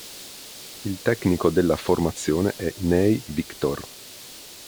Il tecnico della formazione è Nei Victor.